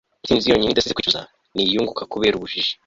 intsinzi yonyine idasize kwicuza ni iyunguka kubera ubujiji